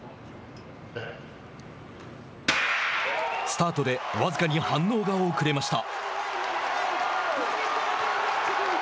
スタートで僅かに反応が遅れました。